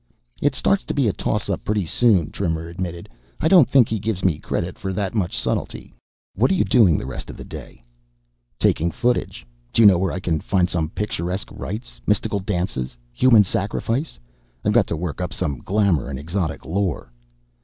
"It starts to be a toss up pretty soon," Trimmer admitted. "I don't think he gives me credit for that much subtlety.... What are you doing the rest of the day?" "Taking footage. Do you know where I can find some picturesque rites? Mystical dances, human sacrifice? I've got to work up some glamor and exotic lore."